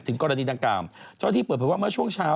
กรณีดังกล่าวเจ้าที่เปิดเผยว่าเมื่อช่วงเช้า